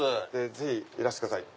ぜひいらしてください。